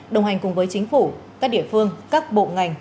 đồng hành cùng với chính phủ các địa phương các bộ ngành